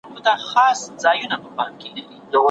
که میتودولوژي سمه نه وي څېړنه به مو د منلو وړ نه وي.